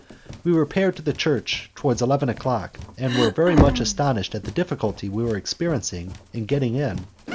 We repaired to the church towards eleven o'clock, and were very much astonished at the difficulty we experienced in getting in.